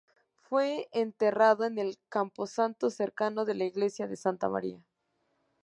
Fue enterrado en el camposanto cercano de la iglesia de Santa María.